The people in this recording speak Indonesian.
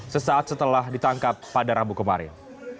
sesaat setelah ditangkap pada rabu kemarin